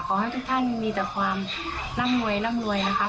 ขอให้ทุกท่านมีแต่ความร่ำรวยร่ำรวยนะคะ